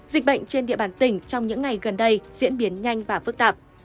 dịch bệnh trên địa bàn tỉnh trong những ngày gần đây diễn biến nhanh và phức tạp